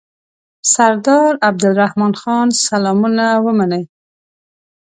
سردار عبدالرحمن خان سلامونه ومنئ.